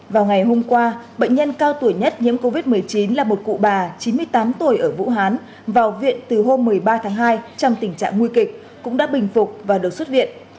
vào ngày hôm qua bệnh nhân cao tuổi nhất nhiễm covid một mươi chín là một cụ bà chín mươi tám tuổi ở vũ hán vào viện từ hôm một mươi ba tháng hai trong tình trạng nguy kịch cũng đã bình phục và được xuất viện